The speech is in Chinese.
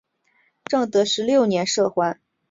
正德十六年赦还。